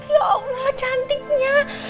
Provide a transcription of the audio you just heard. ya allah cantiknya